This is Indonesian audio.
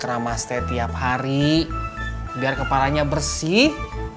terama teh tiap hari biar kepalanya bersih